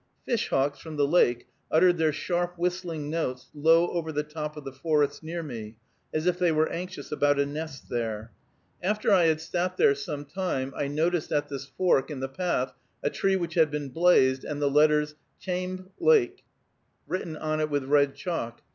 Fish hawks, from the lake, uttered their sharp whistling notes low over the top of the forest near me, as if they were anxious about a nest there. After I had sat there some time, I noticed at this fork in the path a tree which had been blazed, and the letters "Chamb. L." written on it with red chalk.